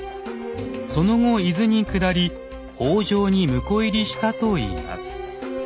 その後伊豆に下り北条に婿入りしたといいます。